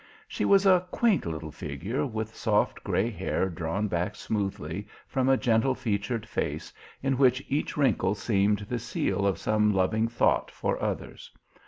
She was a quaint little figure, with soft grey hair drawn back smoothly from a gentle featured face in which each wrinkle seemed the seal of some loving thought for others.